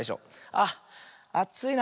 あっあついな。